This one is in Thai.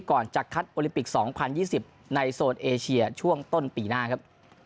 ก่อนจะคัดโอลิมปิก๒๐๒๐ในโซนเอเชียช่วงต้นปีหน้าครับ